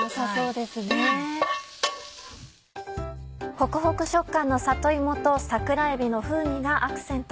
ホクホク食感の里芋と桜えびの風味がアクセント。